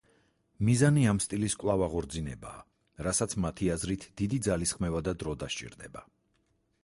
მიზანი ამ სტილის კვლავ აღორძინებაა, რასაც მათი აზრით დიდი ძალისხმევა და დრო დასჭირდება.